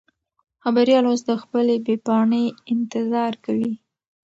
خبریال اوس د خپلې بې پاڼې انتظار کوي.